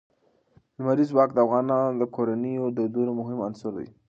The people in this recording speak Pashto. لمریز ځواک د افغان کورنیو د دودونو مهم عنصر دی.